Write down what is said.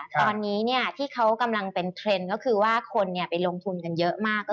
ตอนนี้ที่เขากำลังเป็นเทรนด์ก็คือว่าคนไปลงทุนกันเยอะมาก